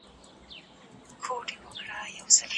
بیولوژي د ژوند پوهنې علم ګڼل کيږي.